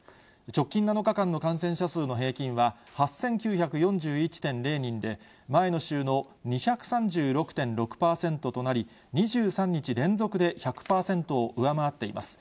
直近７日間の感染者数の平均は、８９４１．０人で、前の週の２３６．６％となり、２３日連続で１００％を上回っています。